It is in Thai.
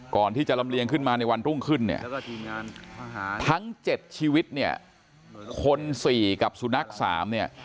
ก่อนที่จะลำเลียงขึ้นมาในวันรุ่งขึ้นเนี่ยทั้ง๗ชีวิตเนี่ยคน๔กับสุนัข๓เนี่ย